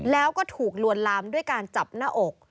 แล้วก็ถูกลวนลามด้วยการจับหน้าอก